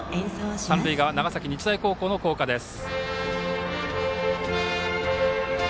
三塁側、長崎日大高校の校歌です。